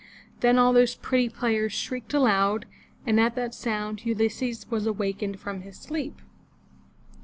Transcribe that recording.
Then all those pretty players shrieked aloud, and at that sound Ulysses was awakened from his sleep.